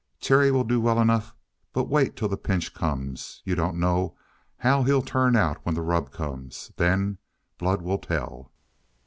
"Terry will do well enough. But wait till the pinch comes. You don't know how he'll turn out when the rub comes. Then blood will tell!"